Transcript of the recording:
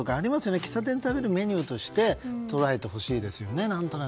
喫茶店で食べるメニューとして捉えてほしいですよね。